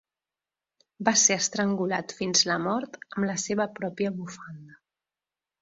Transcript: Va ser estrangulat fins la mort amb la seva pròpia bufanda.